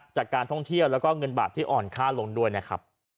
จากการท่องเที่ยวแล้วก็เงินบาทที่อ่อนค่าลงด้วยนะครับ